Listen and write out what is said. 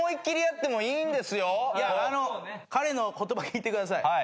いや彼の言葉聞いてください。